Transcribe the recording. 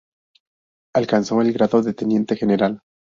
Alcanzó el grado de teniente general.